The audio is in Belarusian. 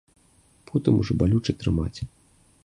Потым ужо балюча трымаць.